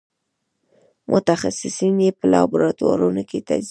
متخصصین یې په لابراتوارونو کې تجزیه کوي په پښتو ژبه.